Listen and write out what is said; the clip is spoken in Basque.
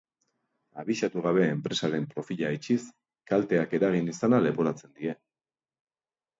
Abisatu gabe enpresaren profila itxiz, kalteak eragin izana leporatzen die.